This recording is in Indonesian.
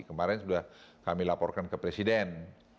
kemarin sudah kami laporkan ke presiden